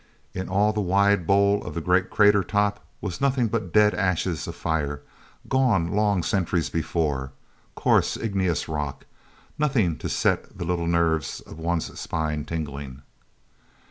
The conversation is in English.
In all the wide bowl of the great crater top was nothing but dead ashes of fires gone long centuries before, coarse, igneous rock—nothing to set the little nerves of one's spine to tingling.